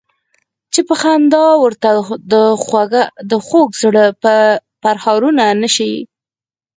چې په خندا ورته د خوږ زړه پرهارونه نه شي.